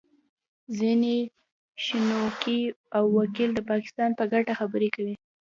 ځینې شنونکي او وکیل د پاکستان په ګټه خبرې کوي